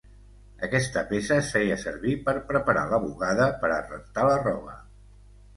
Aquesta peça es feia servir per preparar la bugada per a rentar la roba.